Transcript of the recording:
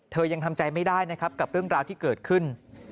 ยังทำใจไม่ได้นะครับกับเรื่องราวที่เกิดขึ้น